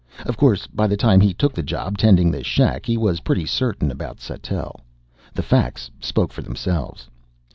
Of course, by the time he took the job tending the shack, he was pretty certain about Sattell. The facts spoke for themselves.